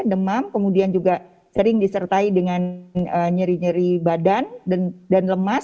demam kemudian juga sering disertai dengan nyeri nyeri badan dan lemas